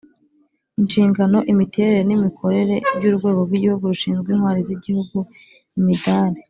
inshingano imiterere n imikorere by Urwego rw Igihugu rushinzwe Intwari z Igihugu Imidari